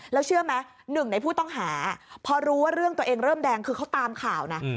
แล้วเชื่อไหมหนึ่งในผู้ต้องหาพอรู้ว่าเรื่องตัวเองเริ่มแดงคือเขาตามข่าวนะ